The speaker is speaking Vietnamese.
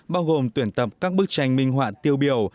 bao gồm tuyển tập các bức tranh minh họa tiêu biểu